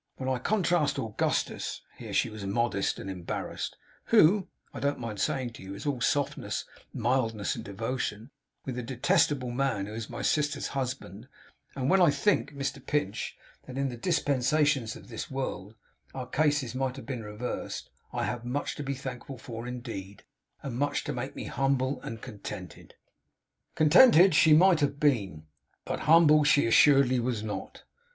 When I contrast Augustus' here she was modest and embarrased 'who, I don't mind saying to you, is all softness, mildness, and devotion, with the detestable man who is my sister's husband; and when I think, Mr Pinch, that in the dispensations of this world, our cases might have been reversed; I have much to be thankful for, indeed, and much to make me humble and contented.' Contented she might have been, but humble she assuredly was not.